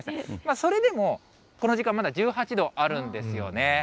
それでも、この時間、まだ１８度あるんですよね。